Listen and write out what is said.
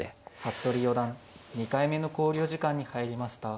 服部四段２回目の考慮時間に入りました。